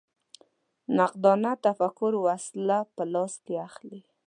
نقادانه تفکر وسله په لاس اخلي